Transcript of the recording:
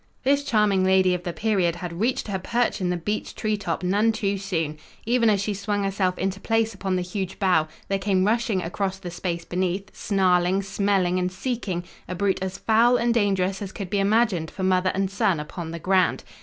This charming lady of the period had reached her perch in the beech tree top none too soon. Even as she swung herself into place upon the huge bough, there came rushing across the space beneath, snarling, smelling and seeking, a brute as foul and dangerous as could be imagined for mother and son upon the ground.